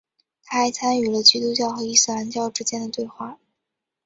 他还参与了基督教和伊斯兰教之间的对话。